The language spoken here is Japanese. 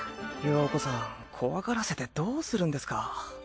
羊子さん怖がらせてどうするんですか